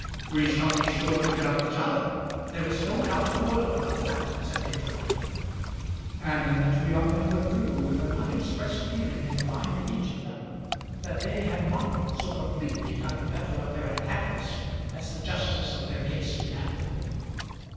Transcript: "We shall be sure to hear of each other. There is no doubt in the world about that," said the attorney. And then the two young men withdrew with an unexpressed feeling in the mind of each of them, that they had not so completely got the better of their antagonist as the justice of their case demanded.